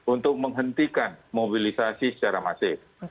untuk menghentikan mobilisasi secara masif